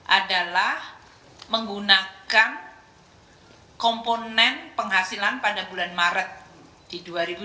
adalah menggunakan komponen penghasilan pada bulan maret di dua ribu dua puluh